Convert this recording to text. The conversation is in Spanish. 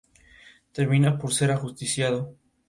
Tiene la capacidad de aterrizar y despegar.